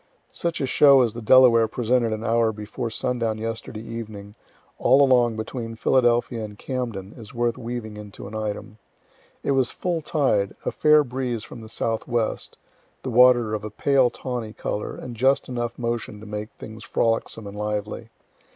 Such a show as the Delaware presented an hour before sundown yesterday evening, all along between Philadelphia and Camden, is worth weaving into an item. It was full tide, a fair breeze from the southwest, the water of a pale tawny color, and just enough motion to make things frolicsome and lively.